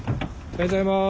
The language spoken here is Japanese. おはようございます。